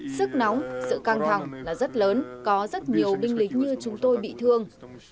sức nóng sự căng thẳng là rất lớn có rất nhiều binh lính như chúng tôi bị thương